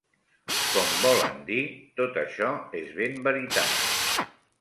Com volen dir: tot això és ben veritat